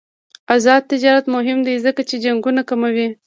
آزاد تجارت مهم دی ځکه چې جنګونه کموي.